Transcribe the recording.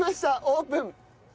オープン！